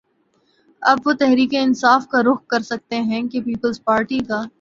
اب وہ تحریک انصاف کا رخ کر سکتے ہیں کہ پیپلز پارٹی کا